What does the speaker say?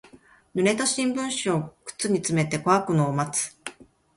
濡れた新聞紙を靴に詰めて乾くのを待つ。